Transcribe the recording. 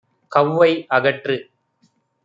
கௌவை அகற்று.